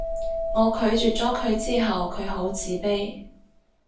我拒絕咗佢之後佢好自卑